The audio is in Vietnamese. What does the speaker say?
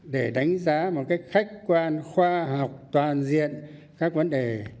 để đánh giá một cách khách quan khoa học toàn diện các vấn đề